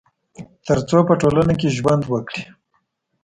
تر څو په ټولنه کي ژوند وکړي